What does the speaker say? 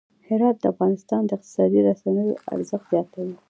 هرات د افغانستان د اقتصادي منابعو ارزښت زیاتوي.